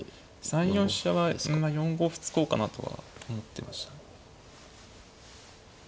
３四飛車は４五歩突こうかなとは思ってましたね。